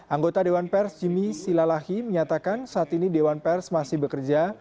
anggota dewan pers jimmy silalahi menyatakan saat ini dewan pers masih bekerja